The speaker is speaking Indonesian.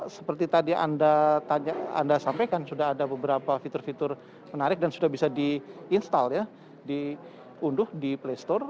seperti tadi anda sampaikan sudah ada beberapa fitur fitur menarik dan sudah bisa di install ya diunduh di play store